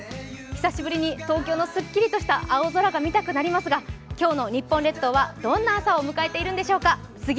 久しぶりに東京のすっきりとした青空が見たくなりますが、今日の日本列島はどんな朝を迎えているんでしょうか。